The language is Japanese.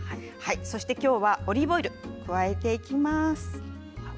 そしてきょうはオリーブオイルを加えていきます。